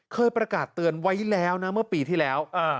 เคยประกาศเตือนไว้แล้วนะเมื่อปีที่แล้ว